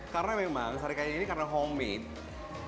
karena memang sarikaya ini karena homemade